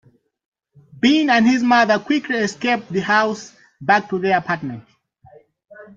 Binh and his mother quickly escape the house back to their apartment.